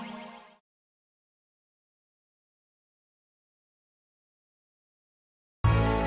bu cuci baik baik bu